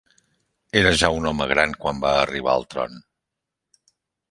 Era ja un home gran quan va arribar al tron.